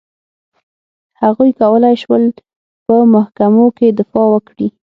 هغوی کولای شول په محکمو کې دفاع وکړي.